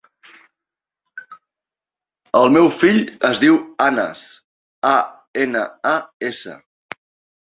El meu fill es diu Anas: a, ena, a, essa.